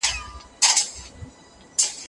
ملا په ډېرې حیرانتیا سره له خپل کټه کښېناست.